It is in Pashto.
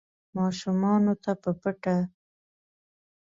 ماشومانو نه په پټه